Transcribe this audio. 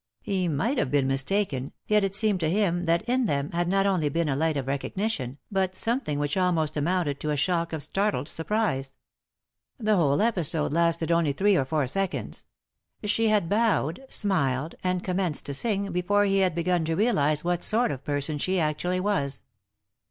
He might have been mistaken, yet it seemed to him that in them had not only been a light of recognition, but something which almost amounted to a shock of startled surprise. The whole episode lasted only three or four seconds. She bad bowed, smiled, and commenced to sing before he bad begun to realise what sort of person she actually was.